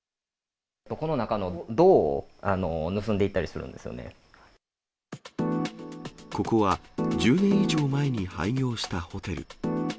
この中の銅を盗んでいったりここは、１０年以上前に廃業したホテル。